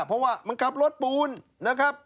เพราะว่ามันกลับรถปูนนะครับ